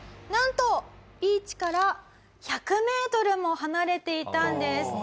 なんとビーチから１００メートルも離れていたんです。